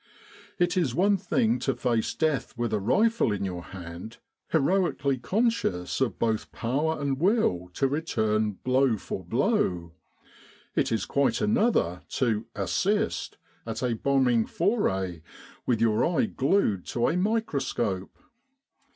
It is one thing to face death with a rifle in your hand, heroically conscious of both power and will to return blow for blow: it is quite another to "assist" at a bombing foray with your eye glued to a microscope.